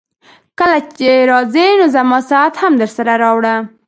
کله چي راځې نو زما ساعت هم درسره راوړه.